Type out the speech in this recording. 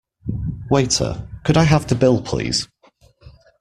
Waiter, could I have the bill please?